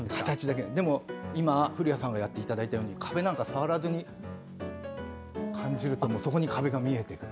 でも今、古谷さんにやっていただいたように壁なんか触らずに感じるとそこに壁が見えてくる。